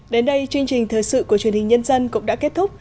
đến đây chương trình thời sự của truyền hình nhân dân cũng đã kết thúc